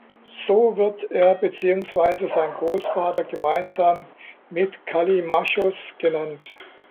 So wird er beziehungsweise sein Großvater gemeinsam mit Kallimachos genannt.